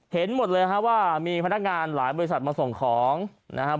เห็นหมดเลยฮะว่ามีพนักงานหลายบริษัทมาส่งของนะครับ